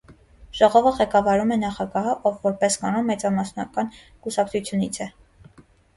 Ժողովը ղեկավարում է նախագահը, ով որպես կանոն մեծամասնական կուսակցությունից է։